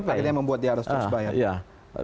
akhirnya membuat dia harus terus bayar